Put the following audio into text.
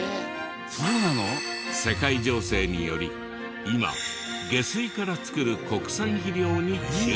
世界情勢により今下水から作る国産肥料に注目が。